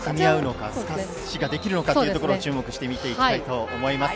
すかしができるのかというところを注目して見ていきたいと思います。